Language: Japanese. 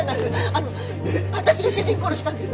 あの私が主人を殺したんです。